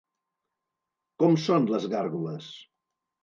Com són les gàrgoles?